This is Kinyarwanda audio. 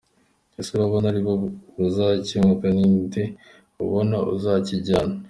Ese urabona ari bo bazacyegukana? ni nde ubona uzakijyana?.